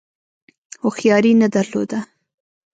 هوښیاري نه درلوده.